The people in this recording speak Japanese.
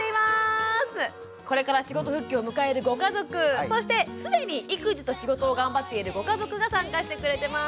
これから仕事復帰を迎えるご家族そしてすでに育児と仕事を頑張っているご家族が参加してくれてます。